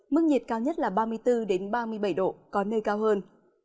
mức nhiệt cao nhất là ba mươi bốn ba mươi bảy độ có nơi cao hơn